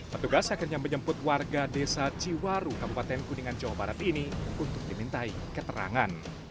petugas akhirnya menjemput warga desa ciwaru kabupaten kuningan jawa barat ini untuk dimintai keterangan